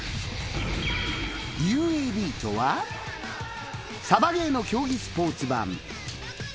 ＵＡＢとはサバゲーの競技スポーツ版。